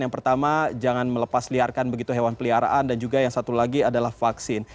yang pertama jangan melepas liarkan begitu hewan peliharaan dan juga yang satu lagi adalah vaksin